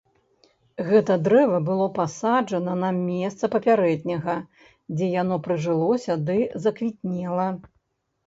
Гэта дрэва было перасаджана на месца папярэдняга, дзе яно прыжылося ды заквітнела.